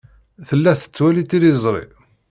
Tella tettwali tiliẓri.